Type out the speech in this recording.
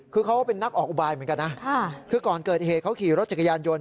คือเขาก็เป็นนักออกอุบายเหมือนกันนะคือก่อนเกิดเหตุเขาขี่รถจักรยานยนต